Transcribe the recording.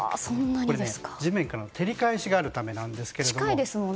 これ、地面からの照り返しがあるためなんですが。